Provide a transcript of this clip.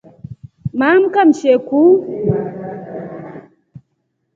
Maamka mshekuu.